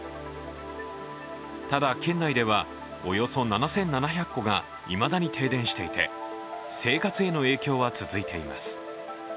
ただ、県内ではおよそ７７００戸がいまだに停電していて生活への影響は続いています。